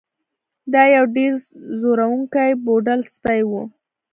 دا یو ډیر ځورونکی پوډل سپی و